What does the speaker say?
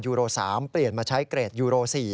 โร๓เปลี่ยนมาใช้เกรดยูโร๔